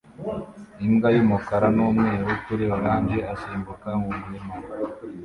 Imbwa y'umukara n'umweru kuri orange isimbuka mu murima